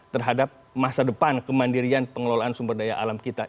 terhadap masa depan kemandirian pengelolaan sumber daya alam kita